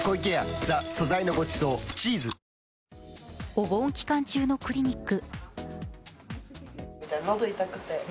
お盆期間中のクリニック。